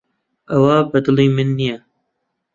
ئەوە بەدڵی من نییە.